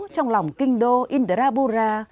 trong lòng kinh đô indrabura